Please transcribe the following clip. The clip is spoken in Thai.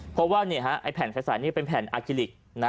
เพราะว่าเนี่ยฮะไอ้แผ่นใช้สายนี่เป็นแผ่นอาร์กิลิคนะ